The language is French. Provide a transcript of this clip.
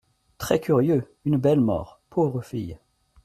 Très curieux ! Une belle mort ! Pauvre fille.